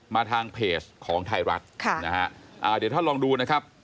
มาทางเพจของไทยรัฐค่ะนะฮะอ่าเดี๋ยวท่านลองดูนะครับ